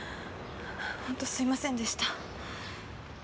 ほんとすいませんでした。